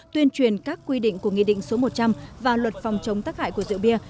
tuyên truyền các quy định của nghị định số một trăm linh và luật phòng chống tác hại của rượu bia